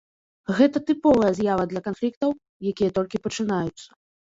Гэта тыповая з'ява для канфліктаў, якія толькі пачынаюцца.